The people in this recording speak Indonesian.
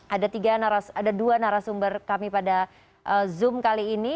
ada dua narasumber kami pada zoom kali ini